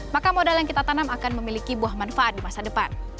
maka modal yang kita tanam akan memiliki buah manfaat di masa depan